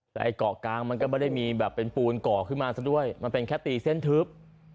แต่ไอ้เกาะกลางมันก็ไม่ได้มีแบบเป็นปูนเกาะขึ้นมาซะด้วยมันเป็นแค่ตีเส้นทึบ